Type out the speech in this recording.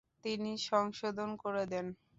তিনি সংশোধন করে দেন।